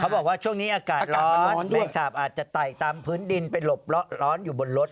บอกว่าช่วงนี้อากาศร้อนเลขสาปอาจจะไต่ตามพื้นดินไปหลบร้อนอยู่บนรถ